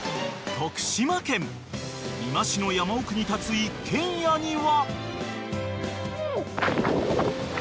［徳島県美馬市の山奥に立つ一軒家には］